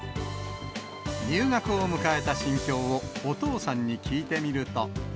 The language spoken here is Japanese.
入学を迎えた心境を、お父さんに聞いてみると。